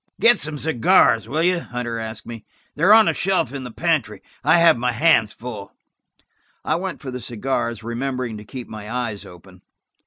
"Get some cigars, will you?" Hunter asked me "They're on a shelf in the pantry. I have my hands full." I went for the cigars, remembering to keep my eyes open.